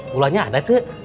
gulanya ada c